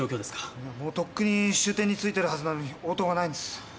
もうとっくに終点に着いてるはずなのに応答がないんです。